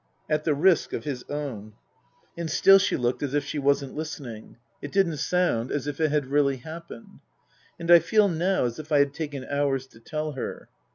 " At the risk of his own/' And still she looked as if she wasn't listening. It didn't sound as if it had really happened And I feel now as if I had taken hours to tell her.